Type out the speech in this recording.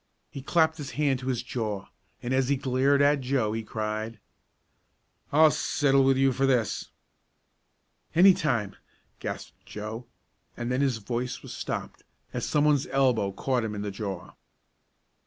He clapped his hand to his jaw, and as he glared at Joe he cried: "I'll settle with you for this!" "Any time," gasped Joe, and then his voice was stopped as someone's elbow caught him in the jaw.